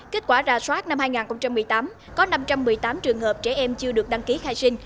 kết quả ra soát năm hai nghìn một mươi tám có năm trăm một mươi tám trường hợp trẻ em chưa được đăng ký khai sinh